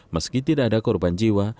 meski tidak ada korban jiwa